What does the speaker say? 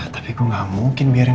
tapi gue gak mungkin biar